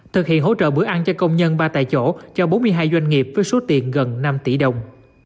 thực hiện hỗ trợ bữa ăn cho công nhân ba tại chỗ cho bốn mươi hai doanh nghiệp với số tiền gần năm tỷ đồng